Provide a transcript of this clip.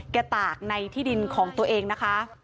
ตากในที่ดินของตัวเองนะคะ